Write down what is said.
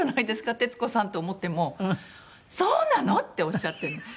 徹子さんって思っても「そうなの？」っておっしゃってね。